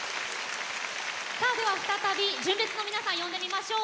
再び純烈の皆さんを呼んでみましょう。